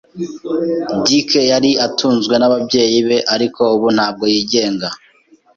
Dick yari atunzwe n'ababyeyi be, ariko ubu ntabwo yigenga.